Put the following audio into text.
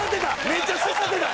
めっちゃ刺さってた！